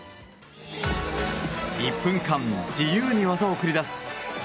１分間自由に技を繰り出すＢＭＸ